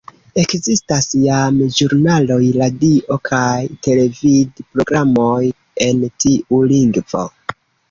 Ekzistas jam ĵurnaloj, radio‑ kaj televid‑programoj en tiu lingvo.